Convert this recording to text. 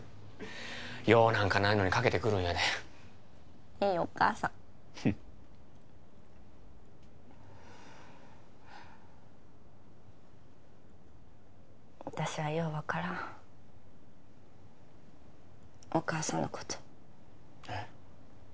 用なんかないのにかけてくるんやでいいお母さん私はよう分からんお母さんのことえっ？